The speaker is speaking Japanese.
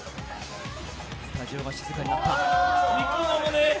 スタジオが静かになった。